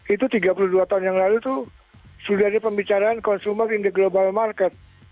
itu tiga puluh dua tahun yang lalu itu sudah ada pembicaraan consumer in the global market